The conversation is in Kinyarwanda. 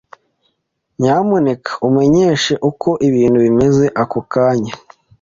Nyamuneka umenyeshe uko ibintu bimeze ako kanya?